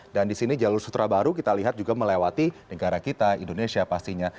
dan di sini jalur sutra baru kita lihat juga melewati negara kita indonesia pastinya